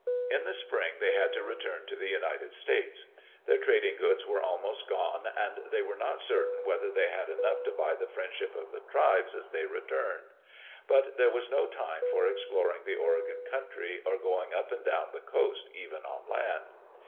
In the spring they had to return to the United States. Their trading goods were almost gone, and they were not certain whether they had enough to buy the friendship of the tribes as they returned. But there was no time for exploring the Oregon country, or going up and down the coast even on land.